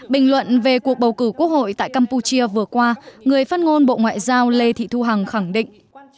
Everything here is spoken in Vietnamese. bình luận về cuộc bầu cử quốc hội tại campuchia vừa qua người phát ngôn bộ ngoại giao lê thị thu hằng khẳng định